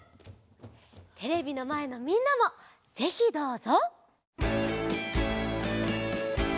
テレビのまえのみんなもぜひどうぞ！